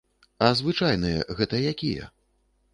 А звычайныя, гэта якія?